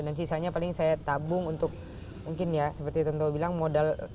dan sisanya paling saya tabung untuk mungkin ya seperti tentu bilang modal